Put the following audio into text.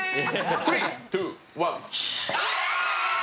３、２、１。